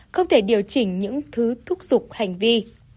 không thể điều chỉnh những thứ thúc giục hành vi